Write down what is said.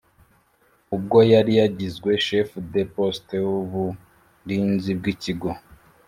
ubwo yari yagizwe chef de poste w’uburinzi bw’ikigo